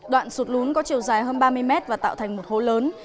đoạn sụt lún có chiều dài hơn ba mươi mét và tạo thành một hố lớn